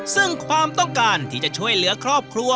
ซึ่งความต้องการที่จะช่วยเหลือครอบครัว